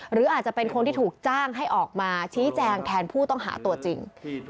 หรืออาจจะเป็นคนที่ถูกจ้างให้ออกมาชี้แจงแทนผู้ต้องหาตัวจริง